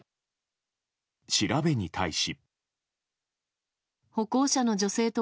調べに対し。